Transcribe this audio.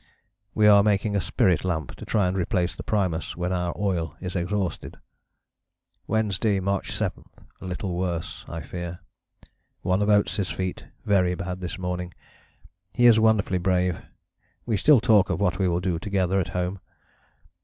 We are making a spirit lamp to try and replace the primus when our oil is exhausted..." "Wednesday, March 7. A little worse, I fear. One of Oates' feet very bad this morning; he is wonderfully brave. We still talk of what we will do together at home.